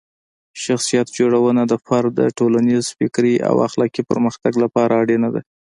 شخصیت جوړونه د فرد د ټولنیز، فکري او اخلاقي پرمختګ لپاره اړینه ده.